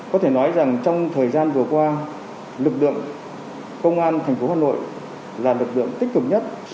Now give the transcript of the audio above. có thể nói rằng trong thời gian vừa qua lực lượng công an thành phố hà nội là lực lượng tích cực nhất